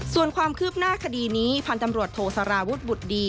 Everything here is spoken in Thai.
ส่วนความคืบหน้าคดีนี้พันธุ์ตำรวจโทสารวุฒิบุตรดี